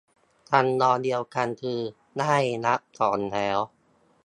ทำนองเดียวกันคือ ได้รับของแล้ว